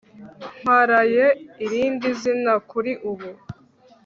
Mparaye irindi zina kuri ubu